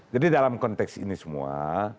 jadi dalam konteks ini semua